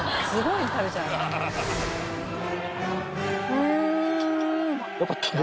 うん！